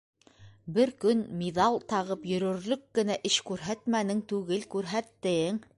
Бер көн миҙал тағып йөрөрлөк кенә эш күрһәтмәнең түгел, күрһәттең.